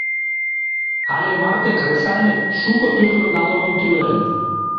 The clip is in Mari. Але марте кресаньык шуко тӱрлӧ налогым тӱлен.